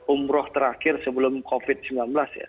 umroh terakhir sebelum covid sembilan belas ya